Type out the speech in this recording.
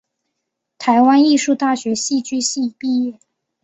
台湾艺术大学戏剧系毕业。